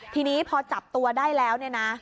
ทีนี้พอจับตัวได้แล้วเนี่ยนะ